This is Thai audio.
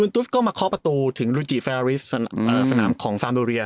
ตอนนี้ไม่